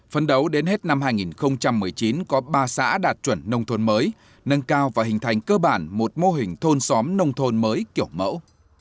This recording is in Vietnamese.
phấn đấu đến hết năm hai nghìn một mươi chín có ba xã đạt chuẩn nông thôn mới nâng cao và hình thành cơ bản một mô hình thôn xóm nông thôn mới kiểu mẫu